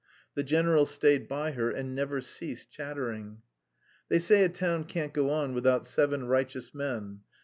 The general stayed by her and never ceased chattering. "They say a town can't go on without seven righteous men...